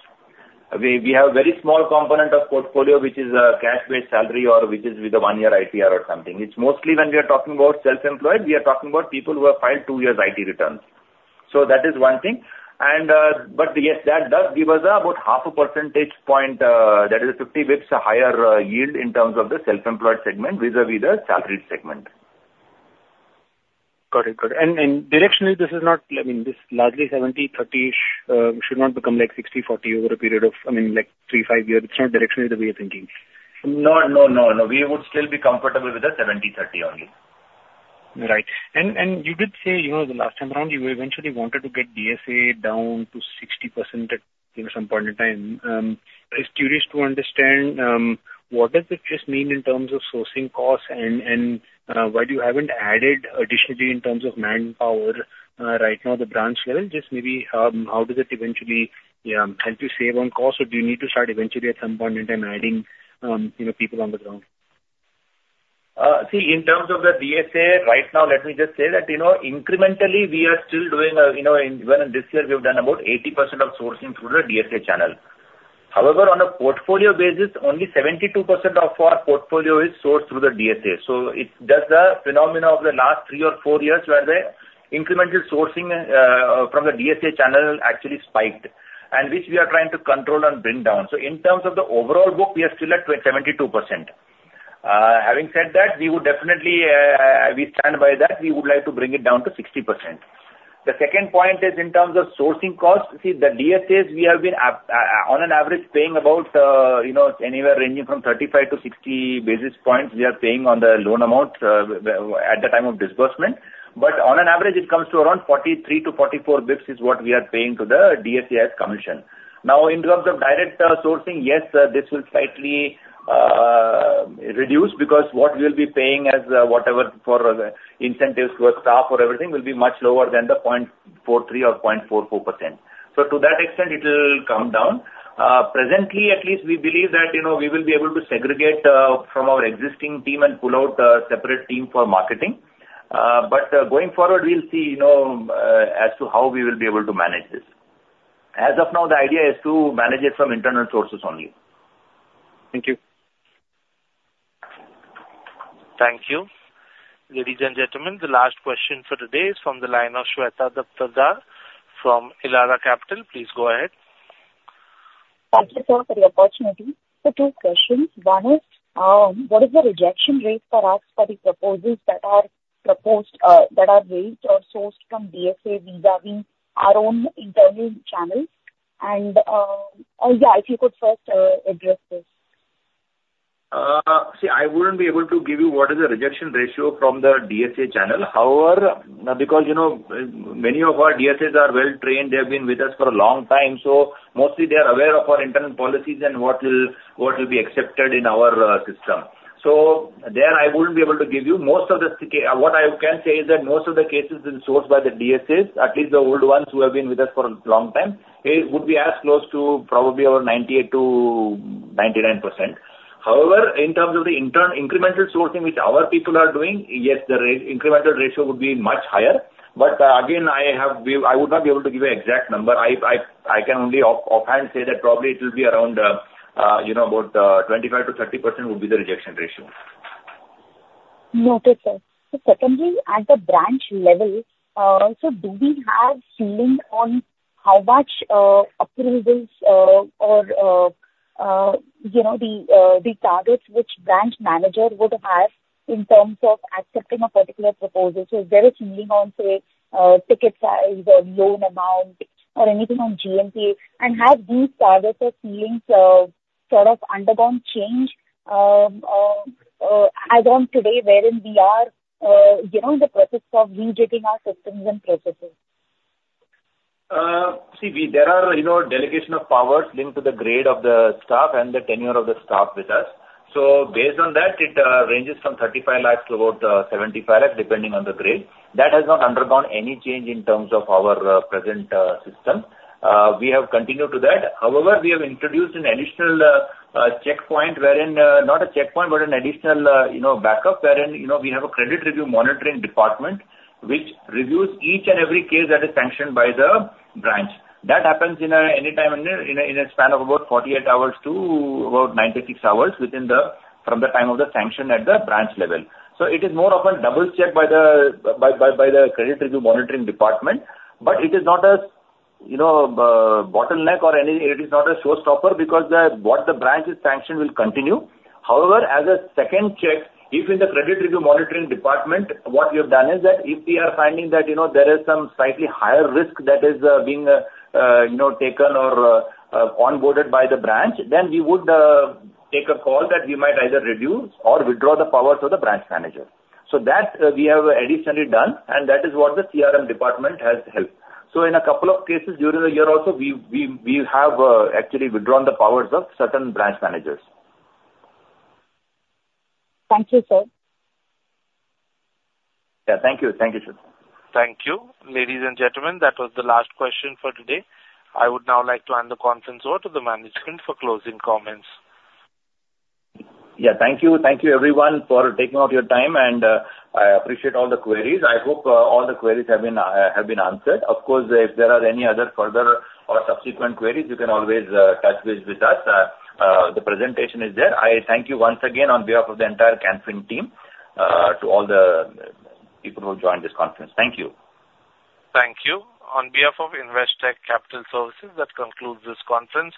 We have a very small component of portfolio, which is cash-based salary or which is with a one-year ITR or something. It's mostly when we are talking about self-employed, we are talking about people who have filed two years' IT returns. So that is one thing. But yes, that does give us about half a percentage point, that is 50 bits higher, yield in terms of the self-employed segment vis-a-vis the salaried segment.... Got it. Got it. And directionally, this is not, I mean, this largely 70/30, should not become like 60/40 over a period of, I mean, like three, five years. It's not directionally the way of thinking? No, no, no, no. We would still be comfortable with the 70/30 only. Right. And you did say, you know, the last time around, you eventually wanted to get DSA down to 60% at, you know, some point in time. Just curious to understand what does it just mean in terms of sourcing costs, and why you haven't added additionally in terms of manpower right now at the branch level? Just maybe how does it eventually help you save on cost, or do you need to start eventually at some point in time adding, you know, people on the ground? See, in terms of the DSA right now, let me just say that, you know, incrementally, we are still doing, you know, even in this year, we have done about 80% of sourcing through the DSA channel. However, on a portfolio basis, only 72% of our portfolio is sourced through the DSA. So it does the phenomena of the last three or four years, where the incremental sourcing from the DSA channel actually spiked, and which we are trying to control and bring down. So in terms of the overall book, we are still at 72%. Having said that, we would definitely, we stand by that. We would like to bring it down to 60%. The second point is in terms of sourcing costs. See, the DSAs, we have been at, on an average, paying about, you know, anywhere ranging from 35-60 basis points, we are paying on the loan amount, at the time of disbursement. But on an average, it comes to around 43-44 basis points is what we are paying to the DSAs commission. Now, in terms of direct, sourcing, yes, this will slightly, reduce, because what we'll be paying as, whatever for the incentives to our staff or everything will be much lower than the 0.43% or 0.44%. So to that extent, it will come down. Presently, at least we believe that, you know, we will be able to segregate, from our existing team and pull out a separate team for marketing. Going forward, we'll see, you know, as to how we will be able to manage this. As of now, the idea is to manage it from internal sources only. Thank you. Thank you. Ladies and gentlemen, the last question for today is from the line of Shweta Daptardar from Elara Capital. Please go ahead. Thank you, sir, for the opportunity. So two questions. One is, what is the rejection rate for us for the proposals that are proposed, that are raised or sourced from DSA vis-à-vis our own internal channels? And, if you could first, address this. See, I wouldn't be able to give you what is the rejection ratio from the DSA channel. However, because, you know, many of our DSAs are well-trained, they have been with us for a long time, so mostly they are aware of our internal policies and what will be accepted in our system. So there I wouldn't be able to give you. Most of the what I can say is that most of the cases being sourced by the DSAs, at least the old ones who have been with us for a long time, it would be as close to probably over 98%-99%. However, in terms of the incremental sourcing, which our people are doing, yes, the incremental ratio would be much higher. But, again, I would not be able to give you an exact number. I can only offhand say that probably it will be around, you know, about, 25%-30% would be the rejection ratio. Noted, sir. So secondly, at the branch level, so do we have ceiling on how much, approvals, or, you know, the, the targets which branch manager would have in terms of accepting a particular proposal? So is there a ceiling on, say, ticket size or loan amount or anything on GMI? And have these targets or ceilings, sort of undergone change, as on today, wherein we are, you know, in the process of revisiting our systems and processes? See, there are, you know, delegation of powers linked to the grade of the staff and the tenure of the staff with us. So based on that, it ranges from 35 lakh to about 75 lakh, depending on the grade. That has not undergone any change in terms of our present system. We have continued to that. However, we have introduced an additional checkpoint wherein, not a checkpoint, but an additional, you know, backup, wherein, you know, we have a credit review monitoring department, which reviews each and every case that is sanctioned by the branch. That happens anytime in a span of about 48 hours to about 96 hours from the time of the sanction at the branch level. So it is more of a double check by the credit review monitoring department. But it is not a, you know, bottleneck or any. It is not a showstopper, because what the branch is sanctioned will continue. However, as a second check, if in the credit review monitoring department, what we have done is that if we are finding that, you know, there is some slightly higher risk that is being, you know, taken or onboarded by the branch, then we would take a call that we might either reduce or withdraw the powers of the branch manager. So that we have additionally done, and that is what the CRM department has helped. So in a couple of cases during the year also, we have actually withdrawn the powers of certain branch managers. Thank you, sir. Yeah, thank you. Thank you, Shweta. Thank you. Ladies and gentlemen, that was the last question for today. I would now like to hand the conference over to the management for closing comments. Yeah, thank you. Thank you everyone for taking out your time, and, I appreciate all the queries. I hope, all the queries have been answered. Of course, if there are any other further or subsequent queries, you can always, touch base with us. The presentation is there. I thank you once again on behalf of the entire Can Fin team, to all the people who joined this conference. Thank you. Thank you. On behalf of Investec Capital Services, that concludes this conference.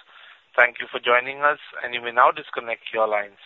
Thank you for joining us, and you may now disconnect your lines.